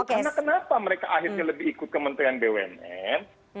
karena kenapa mereka akhirnya lebih ikut kementerian bumn